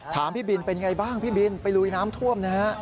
พี่บินเป็นไงบ้างพี่บินไปลุยน้ำท่วมนะฮะ